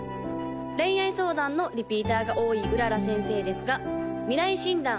恋愛相談のリピーターが多い麗先生ですが未来診断